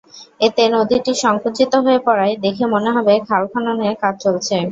এতে নদীটি সংকুচিত হয়ে পড়ায় দেখে মনে হবে খাল খননের কাজ চলছে।